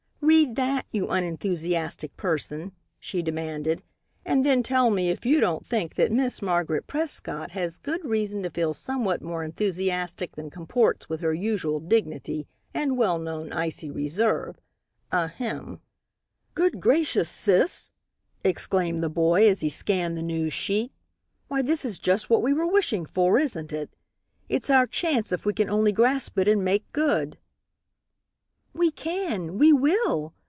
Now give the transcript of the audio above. "Read that, you unenthusiastic person," she demanded, "and then tell me if you don't think that Miss Margaret Prescott has good reason to feel somewhat more enthusiastic than comports with her usual dignity and well known icy reserve ahem!" "Good gracious, sis!" exclaimed the boy, as he scanned the news sheet, "why this is just what we were wishing for, isn't it? It's our chance if we can only grasp it and make good." "We can! We will!"